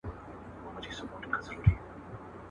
پنډ ته مه گوره، ايمان تې گوره.